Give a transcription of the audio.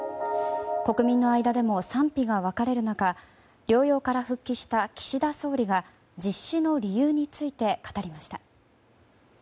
国民の間でも賛否が分かれる中療養から復帰した岸田総理が実施の理由について語りました。